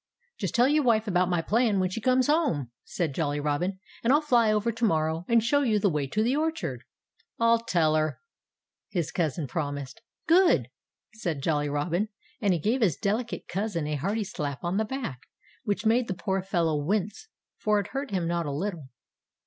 "Just tell your wife about my plan when she comes home," said Jolly Robin. "And I'll fly over to morrow and show you the way to the orchard." "I'll tell her," his cousin promised. "Good!" said Jolly Robin. And he gave his delicate cousin a hearty slap on the back, which made the poor fellow wince for it hurt him not a little.